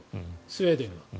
スウェーデンは。